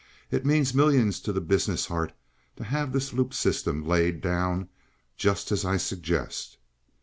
It means millions to the business heart to have this loop system laid down just as I suggest."